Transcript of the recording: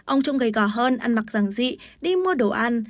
ông trông gầy gỏ hơn ăn mặc ràng dị đi mua đồ ăn